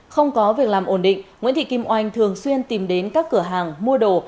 không có việc làm ổn định nguyễn thị kim oanh thường xuyên tìm đến các cửa hàng mua đồ